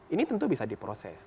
ini tentu bisa diproses